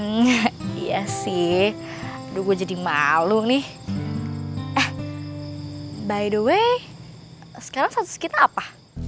hmm iya sih gue jadi malu nih eh by the way sekarang status kita apa